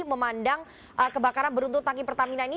memandang kebakaran beruntung tangki pertamina ini